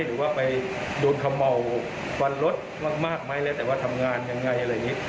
หรือว่าไปโดนเขม่าวฟันรถมากไหมแล้วแต่ว่าทำงานยังไงอะไรอย่างนี้